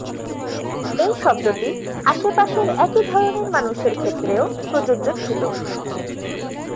এই শব্দটি আশেপাশের একই ধরনের মানুষের ক্ষেত্রেও প্রযোজ্য ছিল।